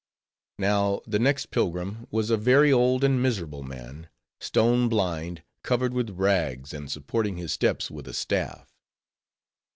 Now, the next pilgrim was a very old and miserable man; stone blind, covered with rags; and supporting his steps with a staff.